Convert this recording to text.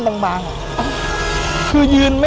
ผมก็ไม่เคยเห็นว่าคุณจะมาทำอะไรให้คุณหรือเปล่า